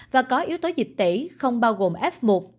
và có yếu tố dịch tễ không bao gồm f một